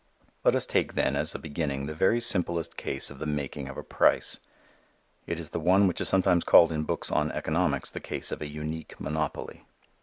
Let us take, then, as a beginning the very simplest case of the making of a price. It is the one which is sometimes called in books on economics the case of an unique monopoly.